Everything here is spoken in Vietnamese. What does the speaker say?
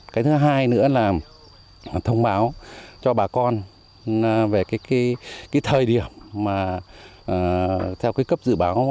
cái thứ hai nữa là thông báo cho bà con về cái thời điểm mà theo cái cấp dự báo